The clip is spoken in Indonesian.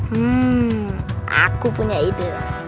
hmm aku punya ide